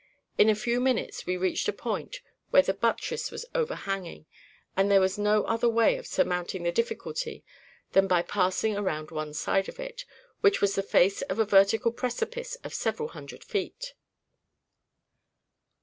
In a few minutes we reached a point where the buttress was overhanging, and there was no other way of surmounting the difficulty than by passing around one side of it, which was the face of a vertical precipice of several hundred feet.'